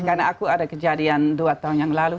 karena aku ada kejadian dua tahun yang lalu